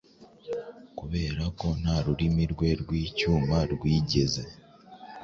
Kuberako nta rurimi rwe rw'icyuma rwigeze